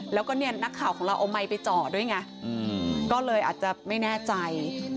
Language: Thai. แล้วก็เนี่ยนักข่าวของเราเอาไมค์ไปเจาะด้วยไงก็เลยอาจจะไม่แน่ใจ